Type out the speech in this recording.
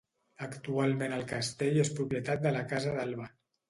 Actualment el castell és propietat de la Casa d'Alba.